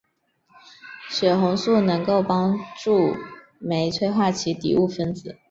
血红素能够帮助酶催化其底物分子。